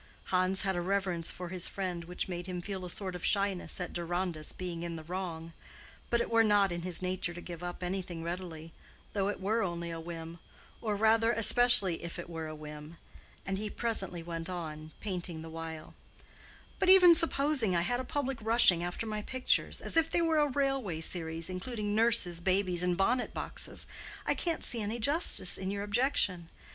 Hans had a reverence for his friend which made him feel a sort of shyness at Deronda's being in the wrong; but it was not in his nature to give up anything readily, though it were only a whim—or rather, especially if it were a whim, and he presently went on, painting the while, "But even supposing I had a public rushing after my pictures as if they were a railway series including nurses, babies and bonnet boxes, I can't see any justice in your objection.